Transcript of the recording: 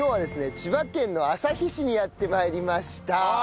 千葉県の旭市にやって参りました。